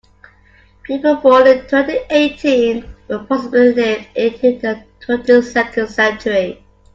People born in twenty-eighteen will possibly live into the twenty-second century.